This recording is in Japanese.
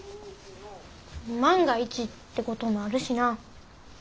万が一ってこともあるしな。